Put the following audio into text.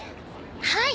はい。